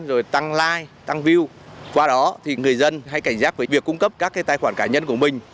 rồi tăng like tăng view qua đó thì người dân hãy cảnh giác với việc cung cấp các tài khoản cá nhân của mình